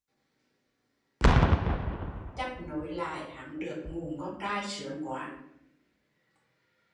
Chắp nối lại hắn được mụn con trai sướng quá